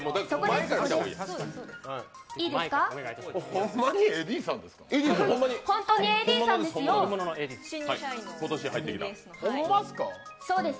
ほんまにＡＤさんですか？